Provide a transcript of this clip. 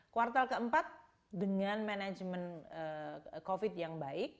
kuartal keempat dengan manajemen covid yang baik